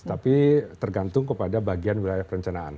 tapi tergantung kepada bagian wilayah perencanaan